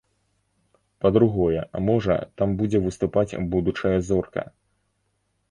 Па-другое, можа, там будзе выступаць будучая зорка.